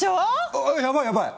あっやばいやばい。